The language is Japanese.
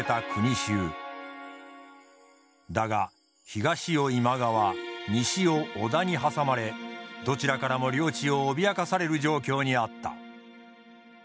だが東を今川西を織田に挟まれどちらからも領地を脅かされる状況にあった。